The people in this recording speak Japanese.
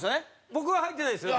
僕は入ってないですよ。